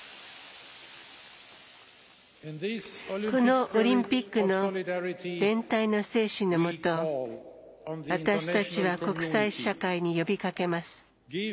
このオリンピックの連帯の精神のもと私たちは国際社会に呼びかけます。